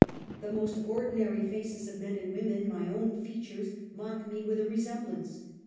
The most ordinary faces of men and women — my own features — mock me with a resemblance.